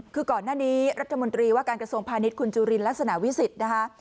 คือก่อนหน้านี้รัฐมนตรีว่าการกระทรวงพาณิชย์คุณจุลินลักษณะวิสิทธิ์นะคะ